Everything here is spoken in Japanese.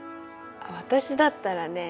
私だったらね